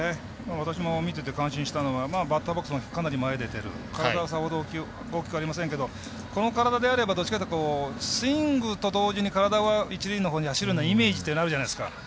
私も見てて感心したのはバッターボックスのかなり前に出てる体はさほど、大きくありませんがこの体であればどちらかというとスイングと同時に体は一塁のほうに走るようなイメージあるじゃないですか。